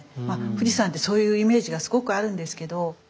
まあ富士山ってそういうイメージがすごくあるんですけど。